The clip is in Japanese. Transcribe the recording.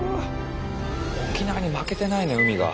沖縄に負けてないね海が。